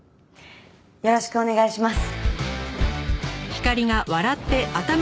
よろしくお願いします。